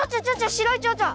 白いチョウチョ！